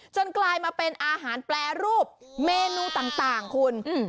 กลายมาเป็นอาหารแปรรูปเมนูต่างคุณ